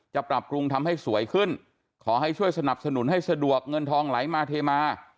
ปรับปรุงทำให้สวยขึ้นขอให้ช่วยสนับสนุนให้สะดวกเงินทองไหลมาเทมา